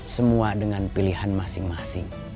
semua dengan pilihan masing masing